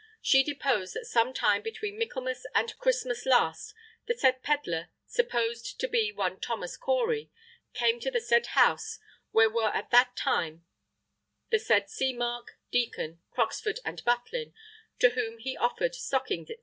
She deposed that sometime between Michaelmas and Christmas last the said pedlar (supposed to be one Thomas Corey) came to the said house where were at that time the said Seamark, Deacon, Croxford, and Butlin to whom he offered stockings, &c.